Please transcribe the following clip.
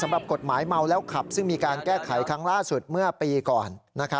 กฎหมายเมาแล้วขับซึ่งมีการแก้ไขครั้งล่าสุดเมื่อปีก่อน